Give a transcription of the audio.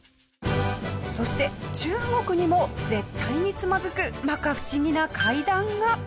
そして中国にも絶対につまずく摩訶不思議な階段が。